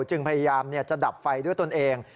จึงพยายามจะดับไฟด้วยตนเอง